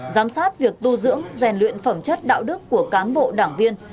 giám sát việc tu dưỡng rèn luyện phẩm chất đạo đức của cán bộ đảng viên